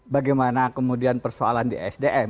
bagaimana kemudian persoalan di sdm